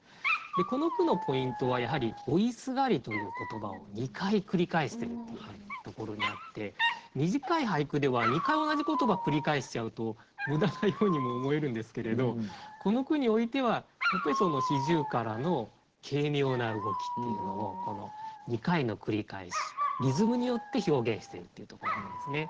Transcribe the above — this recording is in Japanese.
この句のポイントはやはり「追ひすがり」という言葉を２回繰り返してるっていうところにあって短い俳句では２回同じ言葉繰り返しちゃうと無駄なようにも思えるんですけれどこの句においてはやっぱり四十雀の軽妙な動きっていうのをこの２回の繰り返しリズムによって表現しているっていうとこがあるんですね。